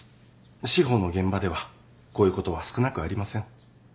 司法の現場ではこういうことは少なくありません。